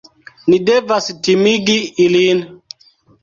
Ni devas timigi ilin